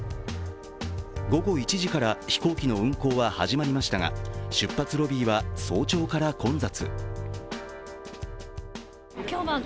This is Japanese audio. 午後１時から飛行機の運航は始まりましたが出発ロビーは早朝から混雑。